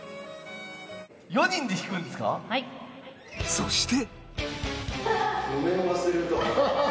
そして